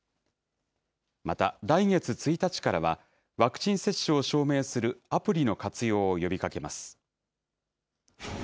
また、来月１日からは、ワクチン接種を証明するアプリの活用を呼びかけます。